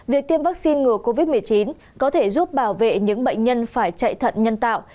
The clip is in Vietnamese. việc tiêm vaccine ngừa covid một mươi chín có thể giúp bảo vệ những bệnh nhân phải chạy thận nhân tạo